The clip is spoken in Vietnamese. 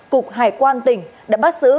cục hải quan tỉnh đã bắt xử